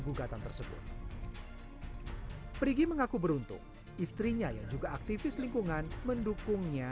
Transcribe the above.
gugatan tersebut pergi mengaku beruntung istrinya yang juga aktifis lingkungan hai k supposedly